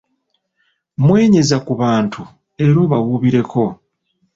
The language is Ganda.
Mwenyeza ku bantu era obawuubireko.